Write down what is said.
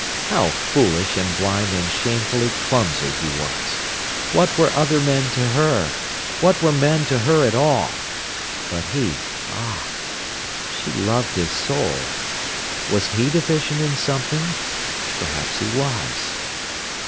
How foolish and blind and shamefully clumsy he was! What were other men to her! What were men to her at all! But he, ah! she loved his soul. Was he deficient in something? Perhaps he was.